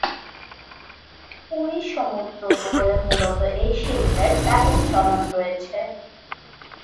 পুরী সমুদ্র উপকূলে মূলত এই শিল্পের ব্যাপক চলন রয়েছে।